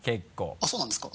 あっそうなんですか？